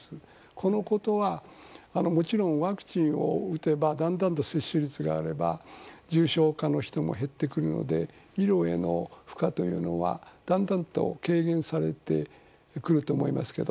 このことは、もちろんワクチンを打てばだんだんと接種率が上がれば重症化の人も減ってくるので医療への負荷というのはだんだんと軽減されてくると思いますけど。